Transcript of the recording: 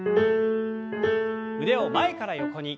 腕を前から横に。